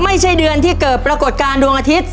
ไม่ใช่เดือนที่เกิดปรากฏการณ์ดวงอาทิตย์